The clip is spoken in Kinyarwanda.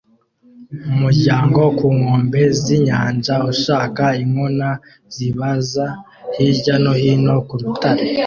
Umuryango ku nkombe z'inyanja ushaka inkona zibaza hirya no hino ku rutare